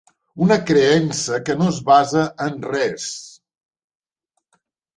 Una creença que no es basa en res.